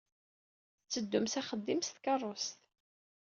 Tetteddum s axeddim s tkeṛṛust.